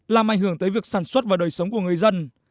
làm ảnh hưởng tới việc sản xuất và đời sống của người dân